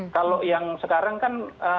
kalau yang sekarang kan